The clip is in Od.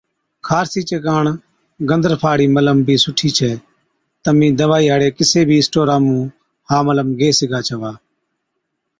خارسِي چي ڪاڻ گندرفا هاڙِي ملم بِي سُٺِي ڇَي۔ تمهِين دَوائِي هاڙي ڪِسي بِي اسٽورا مُون ها ملم گيه سِگھا ڇَوا